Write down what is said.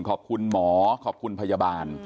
ขอบคุณหมอขอบคุณพยาบาล